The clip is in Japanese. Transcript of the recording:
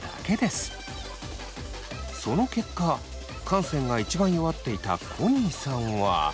その結果汗腺が一番弱っていたコニーさんは。